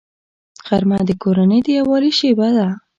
غرمه د کورنۍ د یووالي شیبه ده